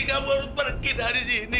kamu pergi dari sini